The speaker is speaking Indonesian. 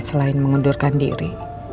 selain mengundurkan diri